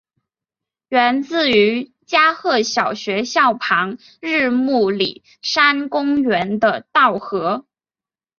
源自于加贺小学校旁日暮里山公园的稻荷。